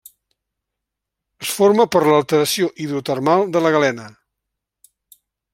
Es forma per l'alteració hidrotermal de la galena.